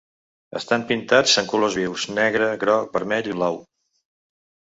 Estan pintats en colors vius, negre, groc, vermell i blau.